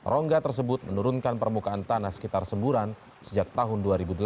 rongga tersebut menurunkan permukaan tanah sekitar semburan sejak tahun dua ribu delapan